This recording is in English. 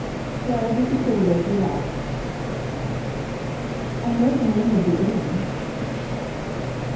Well, he could put it as he liked. "I know the name of the inn."